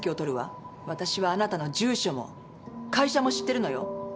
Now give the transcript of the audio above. わたしはあなたの住所も会社も知ってるのよ。